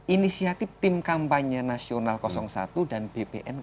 inisiatif tim kampanye nasional satu dan bpn